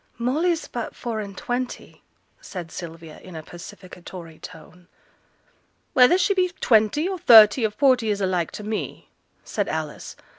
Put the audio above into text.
'Molly's but four and twenty,' said Sylvia, in a pacificatory tone. 'Whether she be twenty, or thirty, or forty, is alike to me,' said Alice.